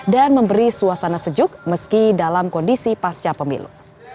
dan memberi suasana sejuk meski dalam kondisi pasca pemilu